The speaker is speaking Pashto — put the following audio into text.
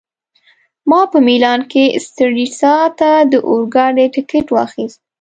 ما په میلان کي سټریسا ته د اورګاډي ټکټ واخیست.